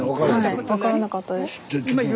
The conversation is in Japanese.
はい分からなかったです。